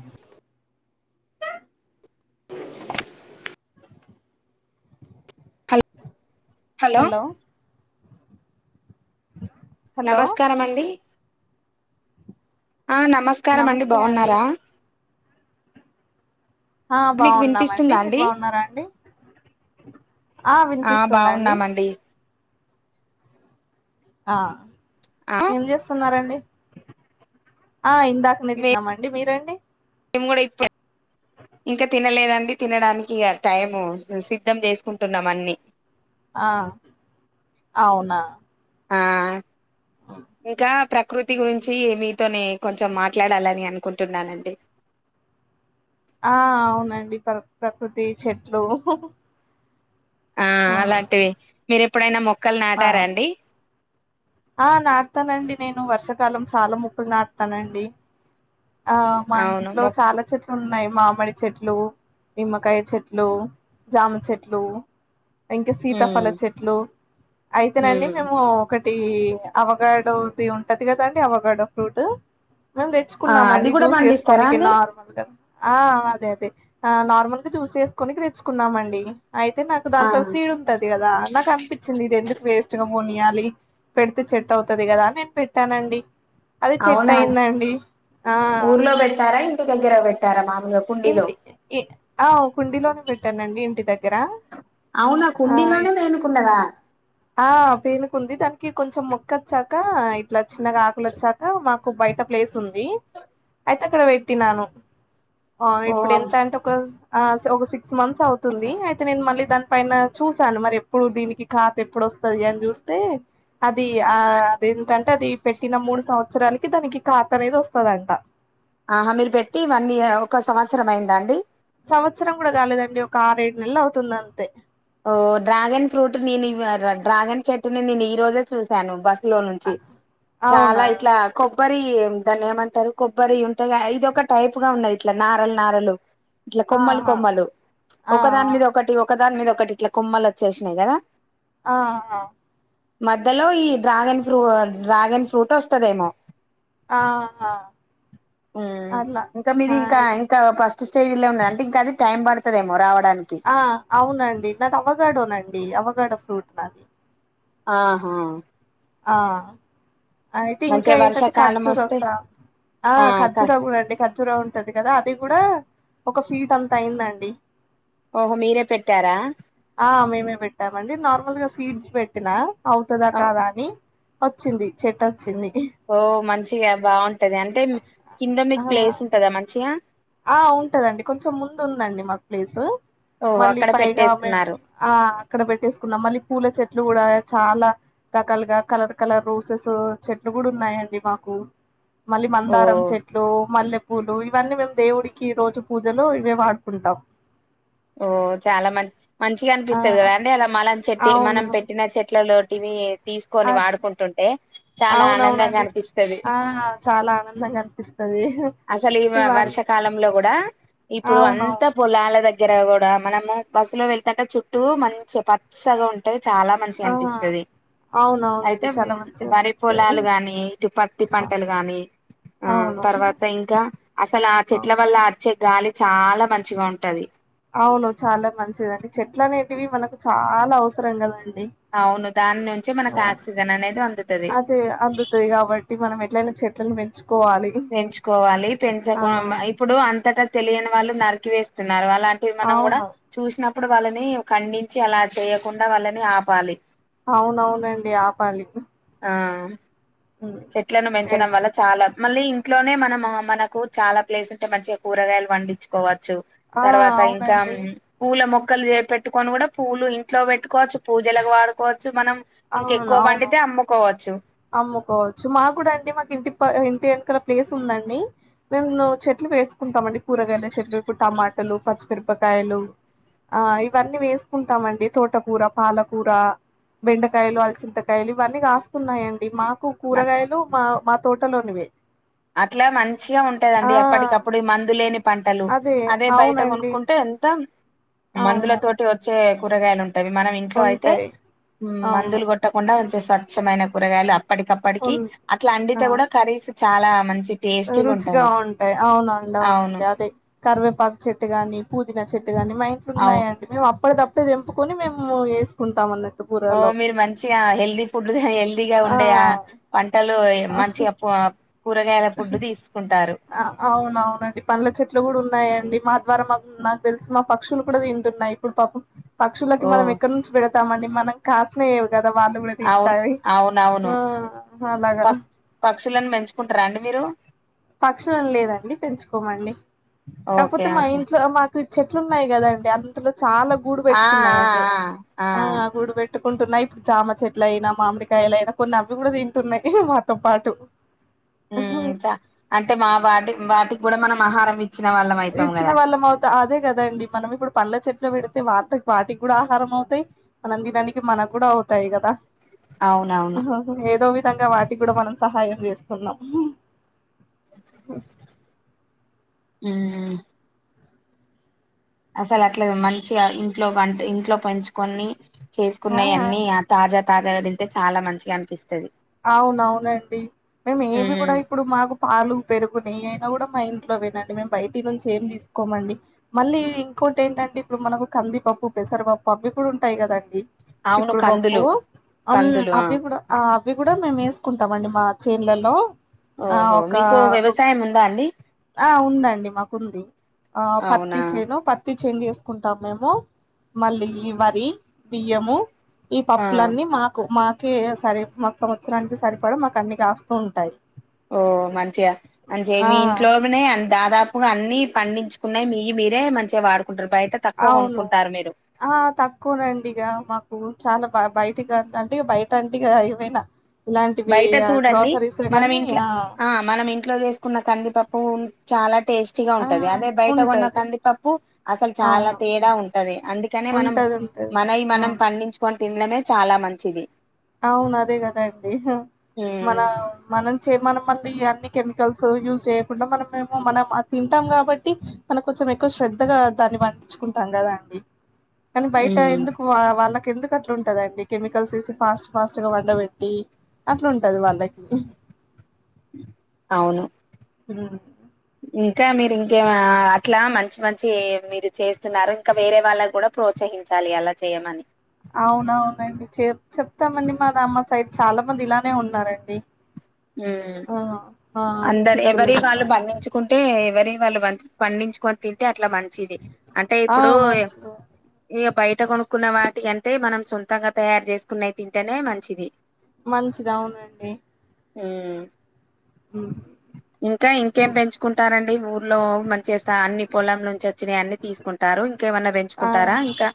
ఉమ్ hello hello hello నమస్కారం అండి ఆ నమస్కారం అండి బాగున్నారా ఆ మీకు బాగున్నామండి వినిపిస్తుందా మీరు అండి బాగున్నారా అండి ఆ వినిపిస్తుందండి ఆ ఆ ఏం చేస్తున్నారండి ఆ ఇందాకనే తిన్నామండి మీరు అండి మేము కూడా ఇప్పుడే ఇంకా తినలేదండి తినడానికి ఇగ టైము సిద్ధం చేసుకుంటున్నాం అన్ని ఆ అవునా ఆ ఇంకా ప్ర కృతి గురించి మీతోనే కొంచెం మాట్లాడాలని అనుకుంటున్నానండి ఆ అవునండి ప్ర ప్రకృతి చెట్లు ఆ అలాంటివి మీరు ఎప్పుడైనా మొక్కలు నాటారా అవును అండి ఆ నాటుతానండి నేను వర్షాకాలం చాలా మోక్కలు నాటుతానండి ఆ మా అవును ఇంట్లో మొ చాలా చెట్లు ఉన్నాయి మామిడి చెట్లు నిమ్మకాయ చెట్లు జామ చెట్లు ఇంకా ఉమ్ సీతాఫల చెట్లు అయితేనండి ఉమ్ మేము ఒక టి అవకాడోది ఉంటది కద అండి అవకాడో ఫ్రూట్ మేము ఆ అది తెచ్చుకున్నామండి కూడా జ్యూస్ పండిస్తారా చేసుకోనికి అండి నార్మల్గా ఆ అదే అదే నార్మల్గా జ్యూస్ చేసుకోనికి తెచ్చుకున్నామండి అయితే నాకు ఆ దాంట్లో సీడ్ ఉంటది కదా నాకు అనిపించింది ఇది ఎందుకు వేస్ట్ గా పోనియాలి పెడితే చెట్టు అవుతది కదా అని నేను పెట్టానండి అది చెట్టు అవునా అండి. అయిందండి ఆ ఊర్లో పెట్టారా ఇంటి దగ్గర పెట్టారా మామూలుగా కుండీలో ఇంటి ఆ కుండీలోనే పెట్టానండి ఇంటి దగ్గర అవునా ఆ కుండీలోనే పీనుకుందా ఆ పీనుకుంది దానికి కొంచెం మొక్కచ్చా కా ఇట్లా చిన్నగా ఆకులు వచ్చాక మాకు బయట ప్లేస్ ఉంది అయితే అక్కడ పెట్టినాను ఆ ఓ ఇప్పుడు ఎంత అంటే ఒక ఆ ఒక సిక్స్ మంత్స్ అవుతుంది అయితే నేను మళ్ళీ దానిపైన చూసాను మరి ఎప్పుడు దీనికి కాత ఎప్పుడు వస్తది అని చూస్తే అది ఆ అదేంటంటే అది పెట్టిన మూడు సంవత్సరాలకే దానికి ఖాత అనేది వస్తదంట ఆహా మీరు పెట్టి వన్ ఇయ ఒక సంవత్సరం అయింద అండి సంవత్సరం కూడా కాలేదండి ఒక ఆరేడు నెలలు అవుతుంది అంతే ఓ డ్రాగన్ ఫ్రూట్ నేను డ్రాగన్ చెట్టుని నేను ఈ రోజే చూశాను బస్ లో నుంచి చాలా అవునా ఇట్లా కొబ్బరి దాన్ని ఏమంటారు కొబ్బరి ఉంటే ఇదిొక టైప్ గా ఉన్నది ఇట్లా నారల నారలు ఇట్లా కొమ్మలు ఆహా కొమ్మలు ఆ ఒక దాని మీద ఒకటి ఒక దాని మీద ఒకటి ఇట్లా కుమ్మలు వచ్చేసినాయి కదా ఆ మధ్యలో ఈ డ్రాగన్ ఫ్రూ డ్రాగన్ ఫ్రూట్ వస్తుదేమో ఆ ఆ అట్లా ఇంకా మీరు ఇంకా హాయ్ ఇంకా ప స్టేజ లో ఉ అంటే ఇంకా అది టై పడుతుదేమో రావ ఆ అవునండి నాది అవగాడోనండి అవగడ ఫ్రూట్ నాది ఆహా ఆ అయితే ఇంకా మంచిగా ఏంటంటే వర్షాకాలం ఖర్జూర వస్తే కూడా ఆ ఖర్జూర కూడా అండి ర ఉంటది కదా అది కూడా ఒక ఫీట్ అంతా అయిందండి ఓహో మీరే పెట్టారా ఆ మేమే పెట్టామండి నార్మల్ గా సీడ్స్ పెట్టినా అవుతుందా కాదా అని వచ్చింది చెట్ ఓ మంచిగా బాగుంటది అంటే కింద మీకు ఆ ప్లేస్ ఉంటందా మంచిగా ఆ ఉంటదండి కొంచెం ముందు ఉందండి మాకు ప్లేసు ఓహో మళ్ళీ అక్కడ పైగా మేము పెట్టేసుకున్నారు ఆ అక్కడ పెట్టేసుకున్నాం మళ్ళీ పూల చెట్లు కూడా చాలా రకాలుగా కలర్ కలర్ రోసెస్ చెట్లు కూడా ఉన్నాయంండి మాకు మళ్ళీ ఓ మందారం చెట్లు మల్లెపూలు ఇవన్నీ మేము దేవుడికి రోజు పూజలు ఇవే వాడుకుంటాం ఓ చాలా మంచి మంచిగా ఆ అనిపిస్తుంది కదా అంటే అలా మలం చెట్టు అవును మనం పెట్టిన చెట్లలో త మీ అ తీసుకొని వాడుకుంటుంటే చాలా ఆనందంగా అవునవునండి అనిపిస్తుది అదే అసలు ఈ వర్షాకాలంలో కూడా ఇప్పుడు అంత అవునవును పొలాల దగ్గర దగ్గర కూడా మనము బస్సు లో వెళ్తుంటే చుట్టూ మంచిగా పచ్చగా ఉంటాయి చాలా మంచి ఆ అనిపిస్తుది అవునవునండి అయితే చాలా మంచిగా వరి పొలాలు అనిపిస్తాయి గాని ఇటు పత్తి పంటలు గాని ఆ అవును తర్వాత ఇంకా అసలు ఆ చెట్ల వల్ల ఆ చెట్ గాలి చాలా మంచిగా ఉంటది అవును చాలా మంచిదండి చెట్లు అనేటివి మనకు చాలా అవసరం కదండి అవును దాని నుంచి మనకు ఆక్సిజన్ అనేది అందుతది అదే అందుతుంది కాబట్టి మనం ఎట్లనా చెట్లు పెంచుకోవాలి ఆ పెంచకు ఇప్పుడు అంతటా తెలియని వాళ్ళు నరికి వేస్తున్నారు అలాంటిది మనం కూడా అవును చూసిన అప్పుడు వాళ్ళని ఖండించి అలా చేయ్యకుండా వాళ్ళని ఆపాలి అవునవునండి ఆపాలికి ఆ చెట్లను ఏ- పెంచడం వల్ల చాలా మళ్ళీ ఇంట్లోనే మనం మనకు చాలా ప్లేస్ ఉంటే మంచిగా కూరగాయలు పండించుకోవచ్చు ఆ తర్వాత ఇంకా అవునండి పూల మొక్క మక్కలు పెట్టుకని కూడా పూ్లు ఇంట్లో పెట్టుకోవచ్చు పూజలుగా వాడుకోవచ్చు మనం అవును ఇంకెక్కువ అవును పండితే అమ్ముకోవచ్చు అమ్ముకోవచ్చు మాకు అండి మాకు ఇంటి ఇంటి వెనక ప్లేస్ ఉందండి మేమువ్వు చెట్లు వేసుకుంటాంమండి కూరగాయల చెట్లు ఇప్పుడు టమాటలు పచ్చిపిరపకాయలు ఆ ఇవన్నీ వేసుకుంటామండి తోటకూర పాలకూర బెండకాయలు అలచింతకాయలు ఇవన్నీ కాస్తున్నాయిడి మాకు కూరగాయలు మా మా తోటలోనివే అట్లా మంచిగా ఆ ఉంటదండి ఎప్పటికప్పుడు మందులేని పంటలు అదే బయట కొనుక్కుంటే మందుల అవును తోటి వచ్చే కూరగాయలు ఉం మనం ఇంట్లో అయితే ఉంటాయి అవును మందులు కొట్టకుండా స్వచ్ఛమైన కూరగాయలు అప్పటికప్పటికి ఉన్ అట్లా ఆ అందితే కూడా కర్రీస్ చాలా మంచి టేస్టీగా రుచిగా ఉంటది ఉంటాయి అవునండి అవును. అవునండి అదే కరివేపాకు చెట్టు గాని పుదీనా చెట్టు కాగాని మా అవును. ఇంట్లోఉన్నాయండి మేము అప్పడ కప్పుడే తెంపుకొని మేము వేసుకుంటాం అన్నట్టు ఓ కూరలో మీరు మంచిగా హెల్దీ ఫుడ్ హెల్దీగా ఆ ఉండే వంటలు మంచిగా కూరగాయల ఫుడ్ తీసుకుంటారు అవునవునండి పండ్ల చెట్లు కూడా ఉన్నాయండి మా నాకు తెలిసి మా పక్షులు కూడా తింటున్నాయి ఇప్పుడు పాపం పక్షులకి ఓ మనం ఎక్కడ నుంచి పెడ తస్తామండి మనం కాచినయే కదా వాళ్ళు కూడా అవును. తింటయి అవునవును. ఆ ప అలాగా పక్షులను పెంచుకుంటరా అండి మీరు పక్షులు ఏం లేదండి పెంచుకోమండి ఓకే. కాకపోతే మా ఓకే. ఇంట్లో మాకు చెట్లు ఉన్నాయి కదాండి అంతలో చాలా గూడు ఆ ఆ పెట్టుకున్నాయి అవి ఆ గూడు పెట్టు పెట్టుకుంటున్నాయి ఇప్పుడు జామ చెట్లు అయినా మామిడికాయలు అయినా కొన్ని అవి కూడా తింటున్నాయి మాతో పాటు ఉమ్ చ అంటే ఇచ్చిన వాళ్ళం అయితాం ఇచ్చిన కదా! వాళ్ళం అవుత అదే కద అండి మనం ఇప్పుడు పళ్ళ చెట్లు పెడత ఐతే వాటి వాటికి కూడా ఆహారం అవుతాయి మనం తిననికి మనకు కూడా అవుతాయి కదా అవునవును. ఏదో విధంగా వాటికి కూడా మనం సహాయం చేస్తున్నాం ఉమ్ అసలు అట్లా గే మంచిగా ఇంట్లో వంట ఇంట్లో పెంచుకొని చేసుకున్నయి అన్నీ ఆ తాజా తాజాగా తింటే చాలా మంచిగా అనిపిస్తది అవునవునండి మేము ఏవి హ్మ్. కూడా ఇప్పుడు మాకు పాలు పెరుగు నెయ్యి అయినా కూడా మా ఇ ఇంట్లో వేనండి మేము బయటి నుంచి ఏం తీసుకోమండి మళ్ళీ ఇంకోటి ఏంటంటే ఇప్పుడు మనకు కందిపప్పు పె పెసరపప్పు అవి కూడా ఉంటాయి కదండి అవును చిక్కుడుపప్పు కందులు అమ్ కందులు ఆ అవి కూడా ఇవి కూడా మేము వేసుకుంటామండి మా చేన్ లలో ఆ ఓహో ఒక మీకు వ్యవసాయం ఉందా అండి ఆ ఉందండి మాకుంది ఆ పత్తి అవునా చేను పత్తి చేన్ చేస కుంటాం మేము మళ్ళీ ఈ వరి బియ్యము ఈ ఆ పప్పులన్నీ మాకు మాకే సరే మా సంవత్సరానికి సరిపడ మాకు అన్ని కాస్తూ ఉంటాయి ఓ మంచిగా అంటే ఆ మీ ఇంట్లోనే దాదాపుగా అన్ని పండించుకున్నాయి మీయి మీరే మంచిగా వాడు తక్కువ అవును కోనుకుంటారు మీరు ఆ తక్కువనండి ఇక మాకు చాలా బ బయట అంటే బయట దండిగా ఎవయినా బయట చూడండి మనం ఇంట్లో ఆ మనం ఇంట్లో చేసుకున్న కందిపప్పు చాలా టేస్టీగా ఆ ఉంటది అదే బయట కోన్న ఉంటది కందిపప్పు అసలు చాలా అవును తేడా ఉంటది అందుకనే మనం ఉంటది ఉంటది మనయి మనం అవును పండించుకొని తినడమే చాలా మంచిది అవును అదే కదా అండి మన ఉమ్ మనం చెమల మందు ఇయన్ని కెమికల్స్ యూజ్ చేయకుండా మన మేమో మనం తింటాం కాబట్టి మనకు కోంచెం ఎక్కువ శ్రద్ధగా దాన్ని పండించుకుంటాం కదా అండి కానీ బయట ఉమ్ ఎందుకు వాళ్ళకి ఎందుకు అట్లా ఉంటదండి కెమికల్స్ వేసి ఫాస్ట్ ఫాస్ట్ గా పండబెట్టి అట్లా ఉంటది వాళ్ళకి అవును ఉమ్ ఇంకా మీరు ఇంకే అట్లా మంచి మంచి మీరు చేస్తున్నారు ఇంకా వేరే వాళ్ళకి కూడా ప్రోత్సహి హించాలి అలా చేయ్యమని అవునవునండి చె చెప్తామండి మా అమ్మ సైడ్ చాలా మంది ఇలానే ఉన్నారండి ఉమ్ ఆ ఆ అందరి చిక్కుళ్ళు ఎవరి వాళ్ళు కావాలి పండించుకుంటే ఎవరి వాళ్ళు వంచ్ పండించ్కోన్ తింటే అట్లా మంచిది అంటే ఆ ఇప్పుడు మంచిది ఇయప్ బయట కొనుక్కున్న వాటి కంటే మనం సొంతంగా తయారు చేసుకున్నే తింటనే మంచిది మంచిద్ అవునండి ఉమ్ ఉమ్. ఇంకా ఇంకేం పెంచుకుంటారండి ఊర్లో మం చేస్తా అన్ని పోలం నుంచి ఒచ్చినాయన్ని తీసుకుంటారు ఇంకేమన్నా ఆ పెంచుకుంటారా ఇంకా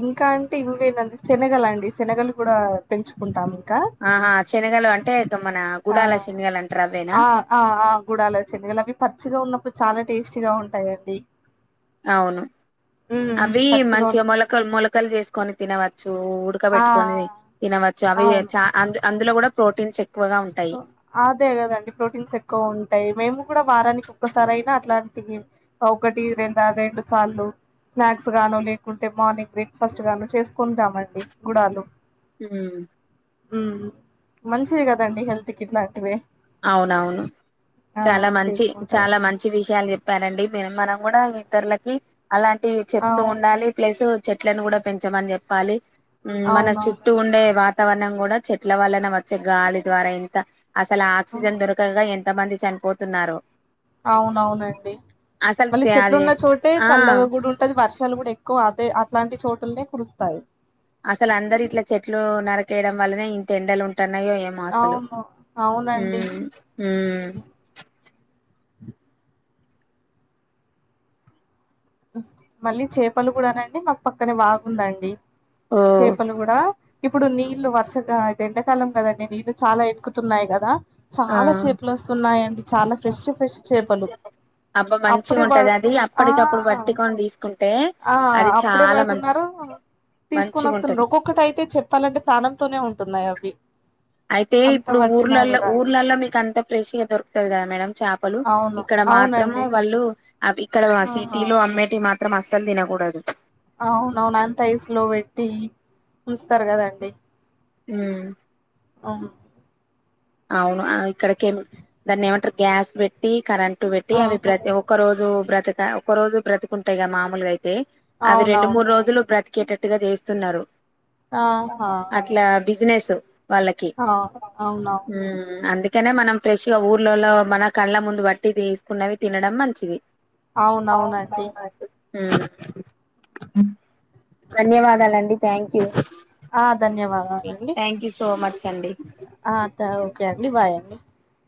ఇంకా అంటే ఇవ్వేనంద్ చేనగలండ్ చేనగలు కూడా పెంచుకుంటాం ఇంకా ఆహా శనగలు అంటే మన గుడాల ఆహ్ శనగలు అంటారు అవేనా ఆ ఆ ఆ గుడలో చెన్గలవి పచ్చిగా ఉన్నపుడ్ చాలా టేస్ట్గా ఉంటాయండి అవును మ్మ్ మ్మ్ అవి పచ్చిగా మంచిగా ఉన్న మొలకలు మొలకలు చేసుకొని తినవచ్చు ఉ ఉడక ఆ పెట్టుకొని తినవచ్చు ఆ అవి చా అందులో కూడా ప్రోటీన్ చేక్ ఒ అదే కదండి ప్రోటీన్స్ ఎక్కువ ఉంటాయి మేము కూడా వారానికి ఒక్కసారి అయినా అట్లటీ ఒకటి రెండా రెండు సార్లు స్నాక్స్ గానో లేకుంటే మార్నింగ్ బ్రేక్ఫాస్ట్ గానో చేసుకుంటామండి గుడాలు ఉమ్ ఉమ్ మంచిది కదండి హెల్త్ కిట్లాంటివే అవునవును చాలా మంచి చేసుకుంటాం చాలా మంచి విషయాలు చెప్ చెప్పారండి మ మనం కూడా ఇతరులకి అలాంటివి చెప్తూ అవు ఉండాలి ప్లేసు చెట్లను కూడా పెంచమని చెప్పాలి మన చుట్టూ అవునవునండి ఉండే వాతావరణం కుడ చెట్ల వలన వచ్చే గాలి ద్వార ఎంత అసలా ఆహా! ఆక్సిజన్ దొరకగా ఎంత తమంది చనిపోతున్నారో అవునవునండి మళ్ళీ అది చెట్లున్న చోటే ఆ చల్లగా గు ఉంటంది వర్ష షాల్ కూడేక్కువ అదే అట్లాంటి చోటుల్నే కురుస్తాయి అసలందరు ఇట్ల చెట్లు నరకేయడం వల్లనే ఇంత ఎండలు ఉంట్ టన్నాయో ఏమో అసలు అవును అవునండి ఉమ్ ఉమ్ అ మళ్ళీ చేపలు కూడనండి మాక్ పక్కనే వాగుందండి ఓ చేపలు కుడా ఇప్పుడు నీళ్ళు వర్షగా ఎండాకాలం కదండి నీళ్ళు చాలా ఎక్కుతున్నాయి కదా ఆ చాలా చేపలుస్తున్నాయండి చాలా ఫ్రెష్ ఫ్రెష్ చేపలు అబ్బా మంచిగా అప్పుడే ఉంటది వల్ అది ఆ అప్పటికప్పుడు పట్టుకొని తీసుకుంటే అ ఆ అది అప్పుడే చాలా మం పడుతున్నారు మంచిగా తీస్కోనోస్తున్ర్ ఉంటది ఒక్కొక్కటి అయితే చెప్పాలంటే ప్రాణంతోనే ఉంటున్నాయి అవి అయితే అంత ఇప్పుడు పట్టినా ఊర్లలో కూడా ఊర్లలో మీకు అంత ప్రెష్గా దొరుకుతంది కదా మేడం చాపలు అవును ఇక్కడ మాత్రము అవునండి వాళ్ళు అవ్ ఇక్కడ ఆహా సిటీలో అమ్మేటి మాత్రం అస్సలు తినకూడదు అవునవును అంతైస్ లో వేట్టి ఉన్స్తర్ కదండి ఉమ్ అవును అవును ఆ ఇక్కడ కేమి దాన్ని ఏమంటరు గ్యాస్ వేట్టి కరెంట్ ట్టు వేట్టి అవి ఆహా ప్రత్ ఒ ఒక్క రోజు బ్రతక ఒక రోజు బ్రతుకుంటాయిగ మామలుగా అయిత్ తే అవి రెండు అవునవును మూడు రోజులు బ్రతికేటట్టుగా చేస్తున్నారు ఆహా అట్లా బిజినెసు ఆ అవునవును ఉమ్ అందుకనే మనం ఫ్రెష్గా ఊర్లలో మన కళ్ళ ముందు వట్టి తీసుకున్నవి తినడం మంచిది అవునవునండి ఉమ్ ధన్యవాదాలండి థ్యాంక్ యూ ఆ ధన్యవాదాలాండి థ్యాంక్ యూ సో మచ్ అండి ఆ తౌ క్యాండి బై అండి